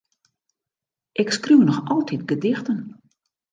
Ik skriuw noch altyd gedichten.